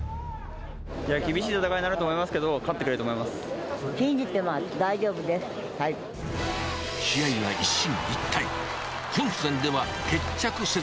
厳しい戦いになると思いますけれども、勝ってくれると思います。